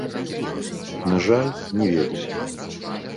На жаль, не ведаю.